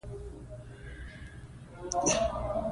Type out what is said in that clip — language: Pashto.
ازادي راډیو د اقتصاد په اړه د کارګرانو تجربې بیان کړي.